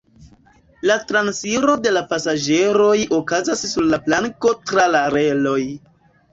La transiro de pasaĝeroj okazas sur la planko tra la reloj.